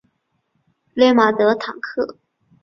勒马德唐克。